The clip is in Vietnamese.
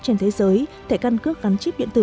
trên thế giới thể cân cước gắn chip điện tử